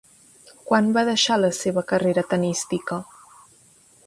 Quan va deixar la seva carrera tenística?